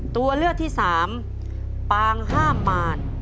ตัวเลือกที่สามปางห้ามมาร